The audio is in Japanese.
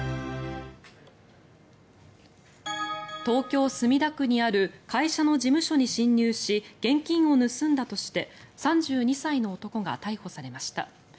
東京・墨田区にある会社の事務所に侵入し現金を盗んだとして３２歳の男が逮捕されました。